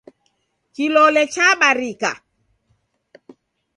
Kilole chabarika.